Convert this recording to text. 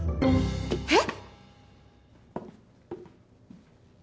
えっ？